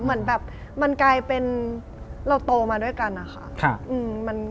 เหมือนแบบมันกลายเป็นเราโตมาด้วยกันนะคะ